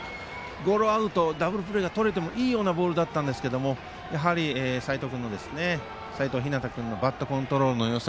ゴロアウト、ダブルプレーがとれてもいいようなボールだったんですけれどもやはり齋藤陽君のバットコントロールのよさ